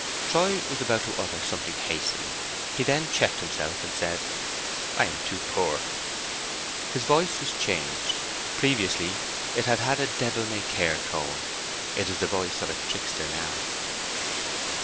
Troy was about to utter something hastily; he then checked himself and said, "I am too poor." His voice was changed. Previously it had had a devil may care tone. It was the voice of a trickster now.